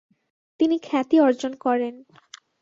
তিনি খ্যাতি অর্জন করেন।